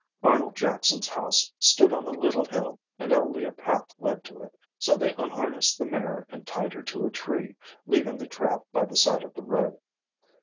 Arnold Jackson's house stood on a little hill and only a path led to it, so they unharnessed the mare and tied her to a tree, leaving the trap by the side of the road.